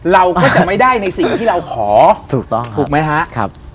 เราก็จะไม่ได้ในสิ่งที่เราขอถูกต้องครับ